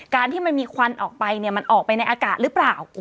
ที่มันมีควันออกไปเนี่ยมันออกไปในอากาศหรือเปล่า